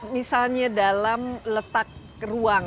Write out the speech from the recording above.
misalnya dalam letak ruang